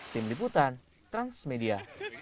tim liputan transmedia